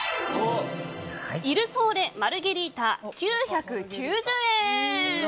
イルソーレマルゲリータ９９０円。